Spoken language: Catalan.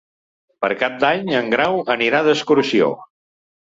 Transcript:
Per Cap d'Any en Grau anirà d'excursió.